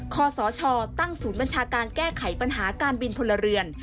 คศตั้งศูนย์บัญชาการแก้ไขปัญหาการบินพลเรือน